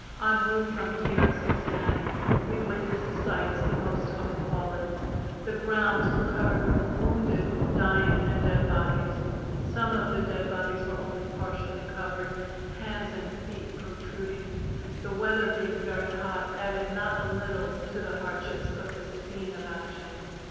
En route from here (Cincinnati) we witnessed sights the most appalling; the grounds were covered with wounded, dying and dead bodies. Some of the dead bodies were only partially covered, hands and feet protruding. The weather being very hot added not a little to the hardships of this scene of action.